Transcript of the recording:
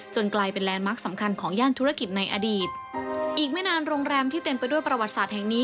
กลายเป็นแลนด์มาร์คสำคัญของย่านธุรกิจในอดีตอีกไม่นานโรงแรมที่เต็มไปด้วยประวัติศาสตร์แห่งนี้